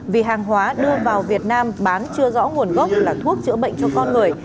vì hàng hóa đưa vào việt nam bán chưa rõ nguồn gốc là thuốc chữa bệnh cho con người